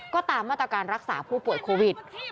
ก็ตามมาตรการรักษาผู้ป่วยโควิด